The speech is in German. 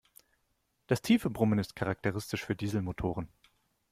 Das tiefe Brummen ist charakteristisch für Dieselmotoren.